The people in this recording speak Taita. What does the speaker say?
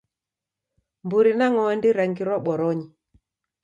Mburi na ng'ondi rangirwa boronyi